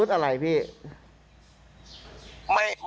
เขาใช้อาวุธอะไรพี่